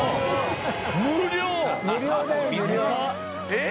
えっ？